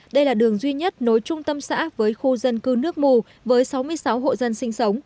đây là đường duy nhất nối trung tâm xã với khu dân cư nước mù với sáu mươi sáu hộ dân sinh sống